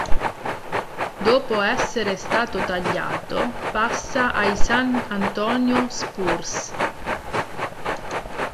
Dopo essere stato tagliato passa ai San Antonio Spurs.